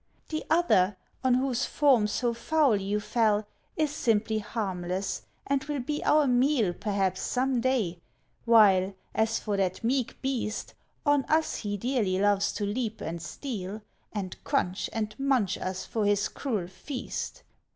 The other, on whose form so foul you fell, Is simply harmless, and will be our meal, Perhaps, some day; while, as for that meek beast, On us he dearly loves to leap and steal, And crunch and munch us for his cruel feast.